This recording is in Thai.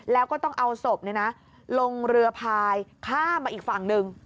แล้วก็ต้องเอาศพลงเรือพายข้ามมาอีกฝั่งหนึ่ง